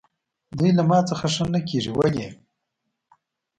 دوی له ما څخه ښه نه کېږي، ولې؟